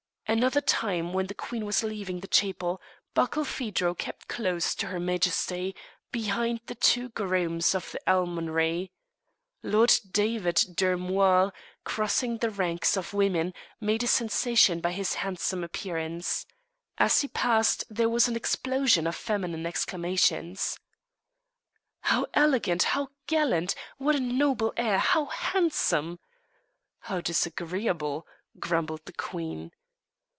Another time, when the queen was leaving the chapel, Barkilphedro kept pretty close to her Majesty, behind the two grooms of the almonry. Lord David Dirry Moir, crossing the ranks of women, made a sensation by his handsome appearance. As he passed there was an explosion of feminine exclamations. "How elegant! How gallant! What a noble air! How handsome!" "How disagreeable!" grumbled the queen.